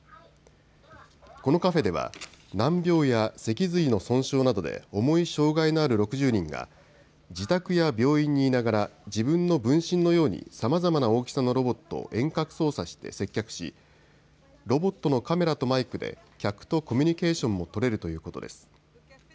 このカフェでは難病や脊髄の損傷などで重い障害のある６０人が自宅や病院にいながら自分の分身のようにさまざまな大きさのロボットを遠隔操作して接客しロボットのカメラとマイクで客とコミュニケーションも取れるということです。